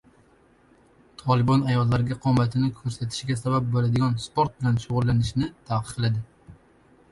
Tolibon ayollarga qomatini ko‘rsatishiga sabab bo‘ladigan sport bilan shug‘ullanishni taqiqladi